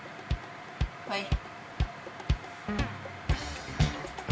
はい。